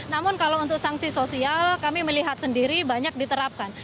namun kalau untuk sanksi sosial kami melihat sendiri banyak diterapkan